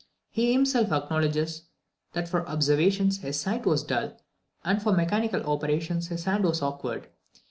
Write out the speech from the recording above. He himself acknowledges, "that for observations his sight was dull, and for mechanical operations his hand was awkward."